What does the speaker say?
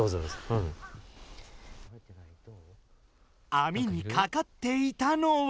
アミにかかっていたのは？